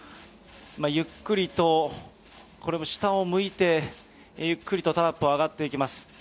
ゆっくりと、これも下を向いて、ゆっくりとタラップを上がっていきます。